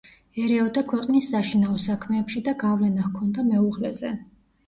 ერეოდა ქვეყნის საშინაო საქმეებში და გავლენა ჰქონდა მეუღლეზე.